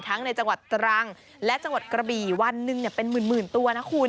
ในจังหวัดตรังและจังหวัดกระบี่วันหนึ่งเป็นหมื่นตัวนะคุณ